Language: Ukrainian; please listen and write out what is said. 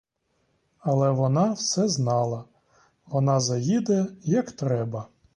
Але вона все знала, вона заїде, як треба.